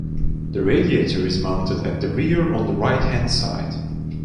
The radiator is mounted at the rear on the right hand side.